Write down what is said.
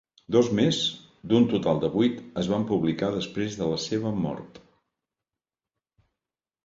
Dos més, d'un total de vuit, es van publicar després de la seva mort.